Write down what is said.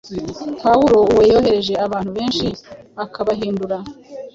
Pawulo uwo yoheje abantu benshi, akabahindura